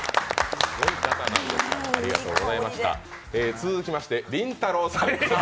続きましてりんたろーさん。